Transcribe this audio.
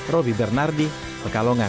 robi bernardi pekalongan